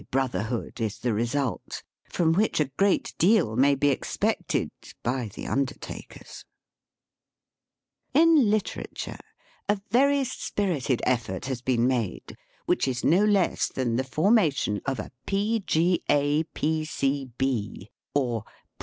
207 Harvey Brotherhood is the result, from which a great deal may be expected — by the undertakers. In literature, a very spirited effort has been made, which is no less than the formation of a P. G. A.